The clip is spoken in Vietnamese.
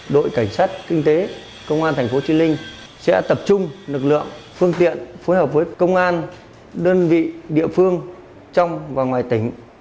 đội cảnh sát kinh tế công an tp hcm sẽ tập trung lực lượng phương tiện phối hợp với công an đơn vị địa phương trong và ngoài tỉnh